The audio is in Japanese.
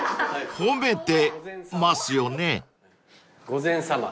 ［褒めてますよね？］